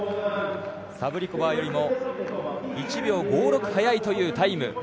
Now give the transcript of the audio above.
サブリコバーよりも１秒５６早いというタイム。